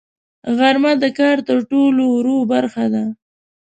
غرمه د کار تر ټولو وروه برخه ده